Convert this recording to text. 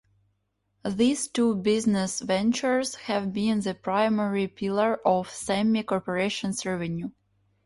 These two business ventures have been the primary pillar of Sammy Corporations revenue.